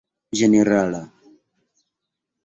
ĝenerala